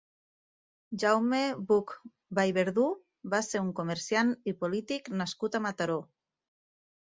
Jaume Buch Vallverdú va ser un comerciant i polític nascut a Mataró.